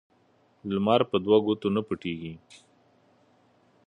لمر په دو ګوتو نه پټېږي